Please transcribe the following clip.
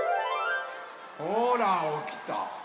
ほらおきた。